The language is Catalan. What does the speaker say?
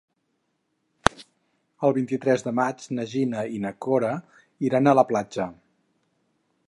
El vint-i-tres de maig na Gina i na Cora iran a la platja.